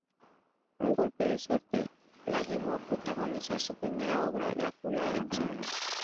Un golpe de suerte la llevó a protagonizar su primera obra "Drácula, el musical".